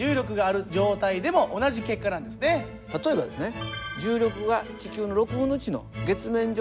例えばですね